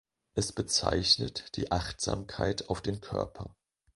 Es bezeichnet die Achtsamkeit auf den Körper.